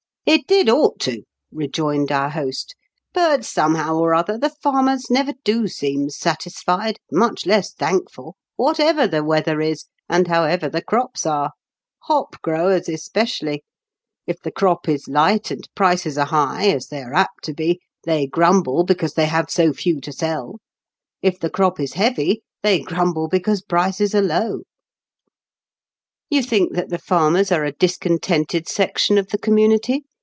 " It did ought to," rejoined our host. "But, somehow or other, the farmers never do seem satisfied, much less thankful, what ever the weather is, and however the crops are. Hop growers especially: if the crop is light, and prices are high, as they are apt to be, they grumble because they have so few to sell; if the crop is heavy, they grumble because prices are low." "You think that the farmers are a dis contented section of the community